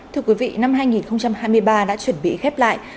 thưa quý vị năm hai nghìn hai mươi ba đã chuẩn bị khép lại